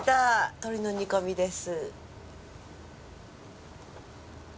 鳥の煮込みです。